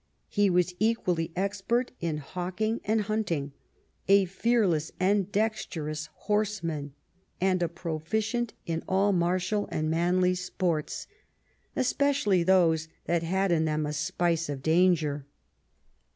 He was ecpially expert in hawking and hunting, a fearless and dexterous horseman, and a proficient in all martial and manly sports, especially those that had in them a spice of danger.